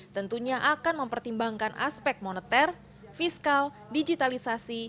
tentunya akan mempertimbangkan aspek moneter fiskal digitalisasi